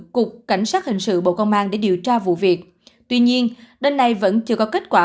cục cảnh sát hình sự bộ công an để điều tra vụ việc tuy nhiên đến nay vẫn chưa có kết quả